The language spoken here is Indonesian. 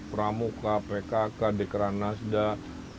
pramuka pkk dekran nasdaq